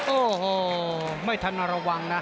โอ้โหไม่ทันระวังนะ